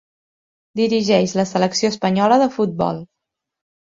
Dirigeix la selecció espanyola de futbol.